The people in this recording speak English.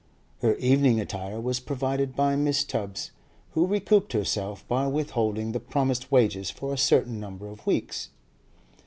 Her evening attire was provided by Mrs. Tubbs, who recouped herself by withholding the promised wages for a certain number of weeks.